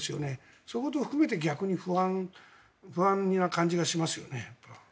そういうことを含めて逆に不安な感じがしますよね。